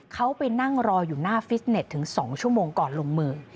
เขาไปนั่งรออยู่หน้าฟิตเน็ตถึง๒ชั่วโมงก่อนลงมือ